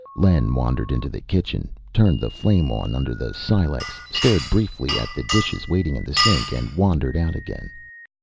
Len wandered into the kitchen, turned the flame on under the silex, stared briefly at the dishes waiting in the sink, and wandered out again.